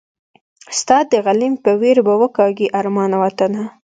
ستا د غلیم په ویر به وکاږي ارمان وطنه